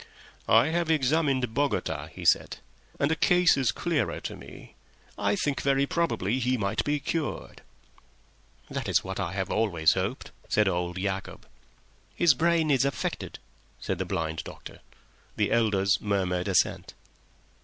"I have examined Nunez," he said, "and the case is clearer to me. I think very probably he might be cured." "This is what I have always hoped," said old Yacob. "His brain is affected," said the blind doctor. The elders murmured assent.